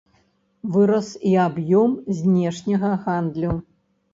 Вырас і аб'ём знешняга гандлю.